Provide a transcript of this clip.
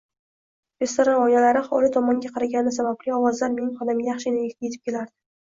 Restoran oynalari hovli tomonga qaragani sababli ovozlar mening xonamga yaxshigina yetib kelardi